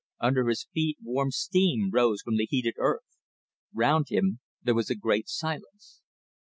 Under his feet warm steam rose from the heated earth. Round him there was a great silence.